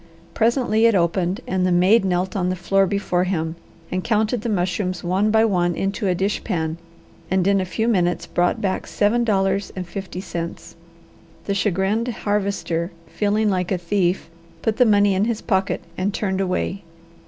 Presently it opened and the maid knelt on the floor before him and counted the mushrooms one by one into a dish pan and in a few minutes brought back seven dollars and fifty cents. The chagrined Harvester, feeling like a thief, put the money in his pocket, and turned away.